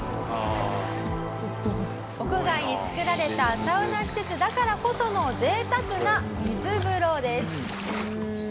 屋外に作られたサウナ施設だからこその贅沢な水風呂です。